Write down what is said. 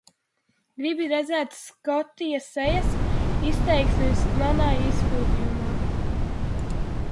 Gribi redzēt Skotija sejas izteiksmi manā izpildījumā?